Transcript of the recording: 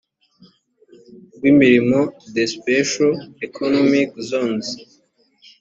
rw imirimo the special economic zones